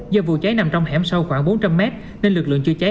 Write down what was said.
do vụ cháy nằm trong hẻm sâu khoảng bốn trăm linh mét nên lực lượng chữa cháy